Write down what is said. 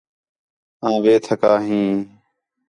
آں وِیتھکا ہیں